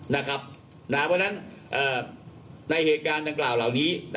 เพราะฉะนั้นในเหตุการณ์ดังกล่าวเหล่านี้